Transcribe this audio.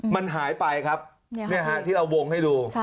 มันหายไปครับที่เราวงให้ดู